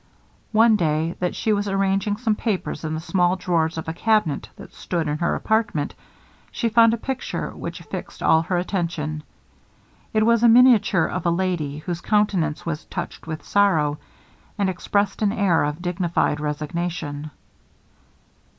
One day that she was arranging some papers in the small drawers of a cabinet that stood in her apartment, she found a picture which fixed all her attention. It was a miniature of a lady, whose countenance was touched with sorrow, and expressed an air of dignified resignation.